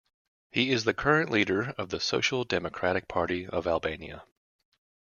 He is the current leader of the Social Democratic Party of Albania.